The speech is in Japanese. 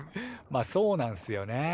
まあそうなんすよね。